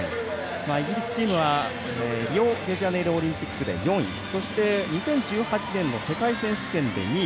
イギリスチームはリオデジャネイロパラリンピックで４位そして、２０１８年の世界選手権で２位。